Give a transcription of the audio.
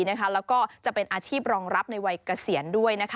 แล้วก็จะเป็นอาชีพรองรับในวัยเกษียณด้วย